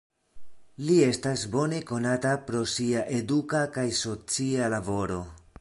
Li estas bone konata pro sia eduka kaj socia laboro.